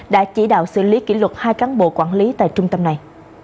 đã chỉ đạo xử lý kỷ luật hai cán bộ quản lý tại trung tâm này